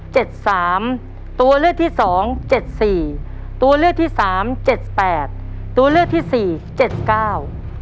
สามตัวเลือกที่สองเจ็ดสี่ตัวเลือกที่สามเจ็ดแปดตัวเลือกที่สี่เจ็ดเก้า